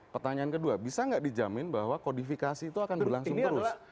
pertanyaan kedua bisa nggak dijamin bahwa kodifikasi itu akan berlangsung terus